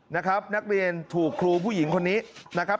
นักเรียนถูกครูผู้หญิงคนนี้นะครับ